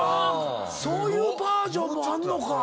そういうバージョンもあんのか！